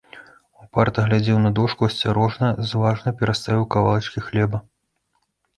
Упарта глядзеў на дошку, асцярожна, зважна пераставіў кавалачкі хлеба.